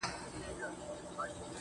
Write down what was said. گرانه دا اوس ستا د ځوانۍ په خاطر,